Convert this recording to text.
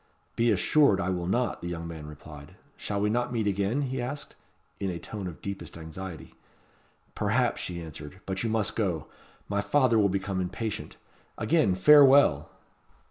"Be assured I will not," the young man replied. "Shall we not meet again?" he asked, in a tone of deepest anxiety. "Perhaps," she answered. "But you must go. My father will become impatient. Again farewell!"